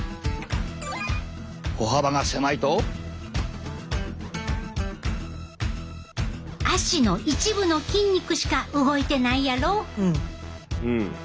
歩幅が狭いと脚の一部の筋肉しか動いてないやろ。